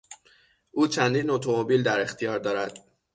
او چندین اتومبیل در اختیار دارد.